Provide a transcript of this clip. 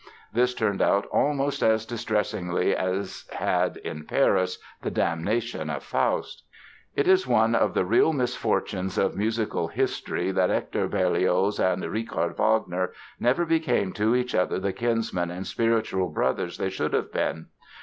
This turned out almost as distressingly as had, in Paris, "The Damnation of Faust". It is one of the real misfortunes of musical history that Hector Berlioz and Richard Wagner never became to each other the kinsmen and spiritual brothers they should have been.